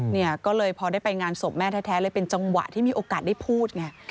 เนี่ยก็เลยพอได้ไปงานศพแม่แท้เลยเป็นจังหวะที่มีโอกาสได้พูดไง